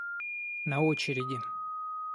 На очереди